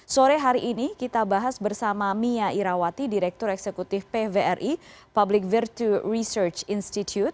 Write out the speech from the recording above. sore hari ini kita bahas bersama mia irawati direktur eksekutif pvri public virtue research institute